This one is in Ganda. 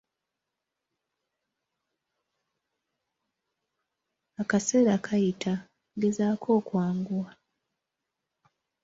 Akaseera kayita, gezaako okwanguwa.